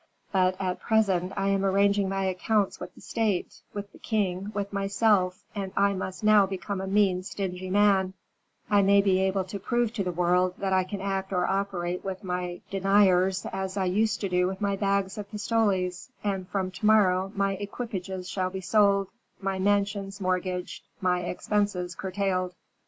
But, at present, I am arranging my accounts with the state, with the king, with myself; and I must now become a mean, stingy man; I shall be able to prove to the world that I can act or operate with my deniers as I used to do with my bags of pistoles, and from to morrow my equipages shall be sold, my mansions mortgaged, my expenses curtailed."